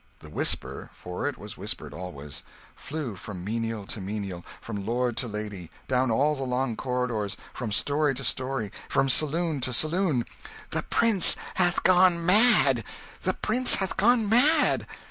The whisper for it was whispered always flew from menial to menial, from lord to lady, down all the long corridors, from story to story, from saloon to saloon, "The prince hath gone mad, the prince hath gone mad!"